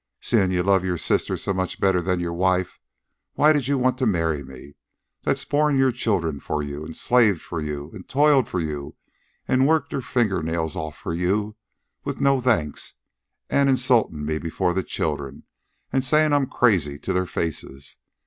"Seein' you love your sister so much better than your wife, why did you want to marry me, that's borne your children for you, an' slaved for you, an' toiled for you, an' worked her fingernails off for you, with no thanks, an 'insultin' me before the children, an' sayin' I'm crazy to their faces.